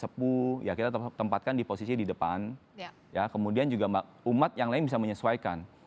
sepuh ya kita tempatkan di posisi di depan ya kemudian juga umat yang lain bisa menyesuaikan